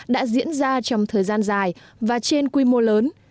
đã diễn ra trong thời gian dài và trên quy mô lớn